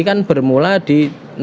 kan bermula di